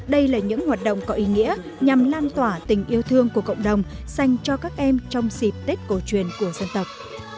đây là những hoạt động có ý nghĩa nhằm lan tỏa tình yêu thương của cộng đồng dành cho các em trong dịp tết cổ truyền của dân tộc